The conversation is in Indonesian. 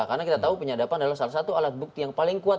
karena kita tahu penyadapan adalah salah satu alat bukti yang paling kuat